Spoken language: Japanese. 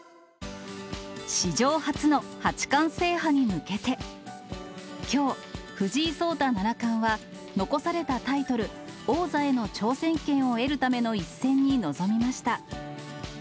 史上初の八冠制覇に向けて、きょう、藤井聡太七冠は残されたタイトル、王座への挑戦権を得るための一戦に臨みました。